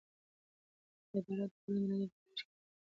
اداره د ټولنې د نظم په ټینګښت کې رول لري.